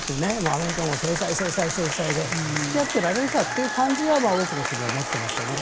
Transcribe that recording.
アメリカも制裁、制裁で付き合ってられるかという感じは多くの国は持っていますよね。